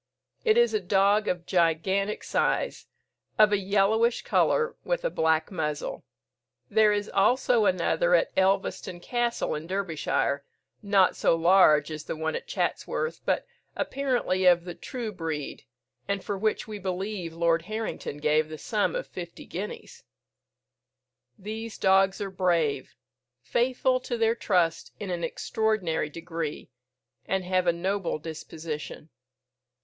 It is a dog of gigantic size, of a yellowish colour, with a black muzzle. There is also another at Elvaston Castle in Derbyshire, not so large as the one at Chatsworth, but apparently of the true breed, and for which we believe Lord Harrington gave the sum of fifty guineas. These dogs are brave, faithful to their trust in an extraordinary degree, and have a noble disposition.